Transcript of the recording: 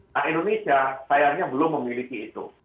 nah indonesia sayangnya belum memiliki itu